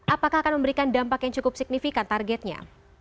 apakah akan memberikan dampak yang cukup signifikan targetnya